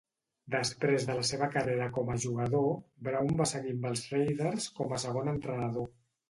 Després de la seva carrera com a jugador, Brown va seguir amb els Raiders com a segon entrenador.